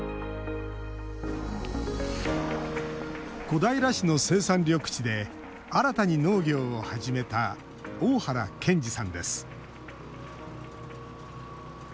小平市の生産緑地で新たに農業を始めた大原賢士さんです。